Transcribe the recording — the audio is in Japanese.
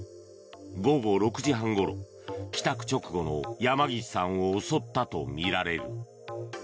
午後６時半ごろ帰宅直後の山岸さんを襲ったとみられる。